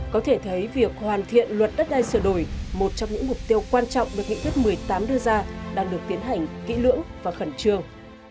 có thể thấy việc hoàn thiện luật đất đai sửa đổi một trong những mục tiêu quan trọng được nghị quyết một mươi tám đưa ra đang được tiến hành kỹ lưỡng và khẩn trương